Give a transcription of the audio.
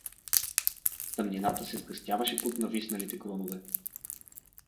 Тъмнината се сгъстяваше под нависналите клонове.